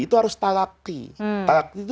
itu harus talaqti